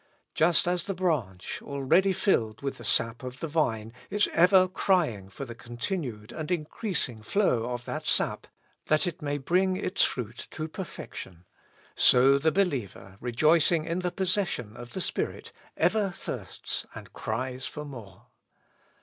Just as the branch, already filled with the sap of the vine, is ever crying for the continued and increasing flow of that sap, that it may bring its fruit to perfection, so the believer, rejoicing in the posses sion of the Spirit, ever thirsts and cries for more.